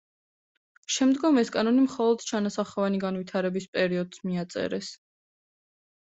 შემდგომ ეს კანონი მხოლოდ ჩანასახოვანი განვითარების პერიოდს მიაწერეს.